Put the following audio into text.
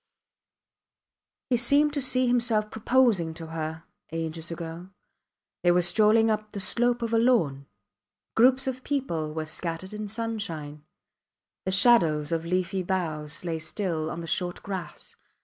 He seemed to see himself proposing to her ages ago. They were strolling up the slope of a lawn. Groups of people were scattered in sunshine. The shadows of leafy boughs lay still on the short grass.